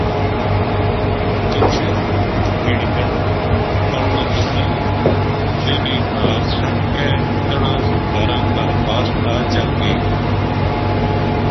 کچر جہڑی تنہاں پل ما پھسی وی تھی ویہ بے بھا ر سٹ کے تنہاں زمینداراں کا پاس تا چل گئی